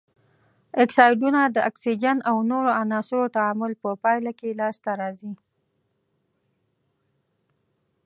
اکسایدونه د اکسیجن او نورو عناصرو تعامل په پایله کې لاس ته راځي.